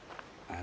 あ？